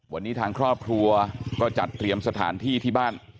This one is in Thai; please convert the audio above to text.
วันนี้ทางครอบครัวก็จัดเตรียมสถานที่ที่บ้าน